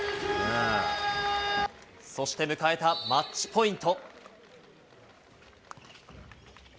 そして迎えたマッチポイント。